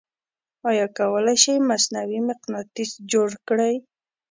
آیا کولی شئ مصنوعې مقناطیس جوړ کړئ؟